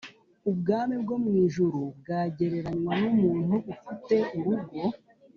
”“Ubwami bwo mu ijuru bwagereranywa n’umuntu ufite urugo,